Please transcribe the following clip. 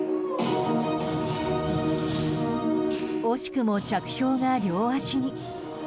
惜しくも着氷が両足に。